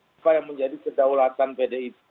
supaya menjadi kedaulatan pdip